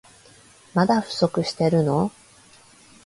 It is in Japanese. まだ不足してるの？